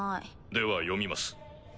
では読みます。